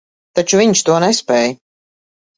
Taču viņš to nespēj.